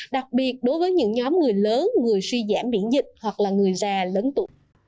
đặc biệt đối với những nhóm người lớn người suy giảm miễn dịch hoặc là người già lớn tuổi